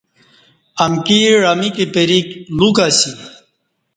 امکی عـمیک پریک لوکہ اسی